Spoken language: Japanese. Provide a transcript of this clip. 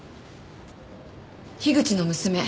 樋口の娘